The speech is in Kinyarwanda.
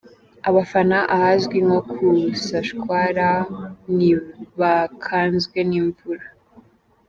Abafana ahazwi nko ku Sashwara ntibakanzwe n’imvura.